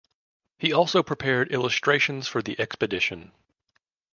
He also prepared illustrations for the expedition.